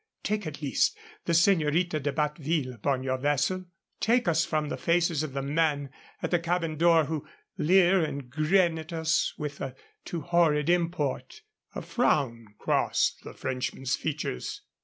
Take, at least, the Señorita de Batteville upon your vessel. Take us from the faces of the men at the cabin door who leer and grin at us with a too horrid import." A frown crossed the Frenchman's features.